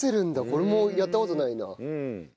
これもやった事ないな。